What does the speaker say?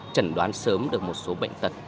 chẩn đoán sớm được một số bệnh tật